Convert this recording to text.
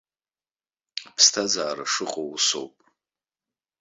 Аԥсҭазаара шыҟоу ус ауп.